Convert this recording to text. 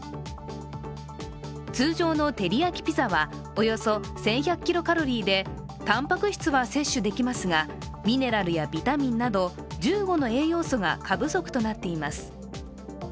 通常のテリヤキピザはおよそ１１００キロカロリーでたんぱく質は摂取できますがミネラルやビタミンなど１５の栄養素が過不足となっています。